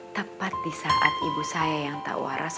tepat di saat ibu saya yang tak waras